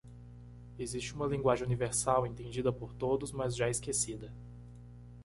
Existe uma linguagem universal? entendida por todos? mas já esquecida.